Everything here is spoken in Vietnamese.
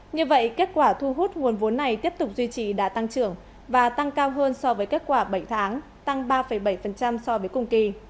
như vậy kết quả thu hút nguồn vốn này tiếp tục duy trì đã tăng trưởng và tăng cao hơn so với kết quả bảy tháng tăng ba bảy so với cùng kỳ